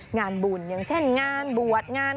งานบุญอย่างเช่นงานบวชงาน